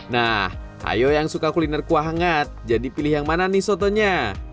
nah ayo yang suka kuliner kuah hangat jadi pilih yang mana nih sotonya